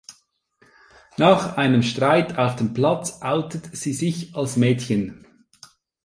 Nach einem Streit auf dem Platz outet sie sich als Mädchen.